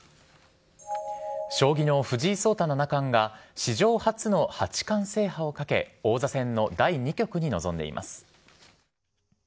将棋の藤井聡太七冠が、史上初の八冠制覇をかけ、王座戦の第２局に臨んでいます。